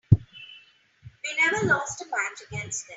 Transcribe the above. We never lost a match against them.